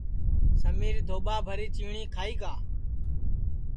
سمِیر دھوٻا بھری چیٹی کھائی گا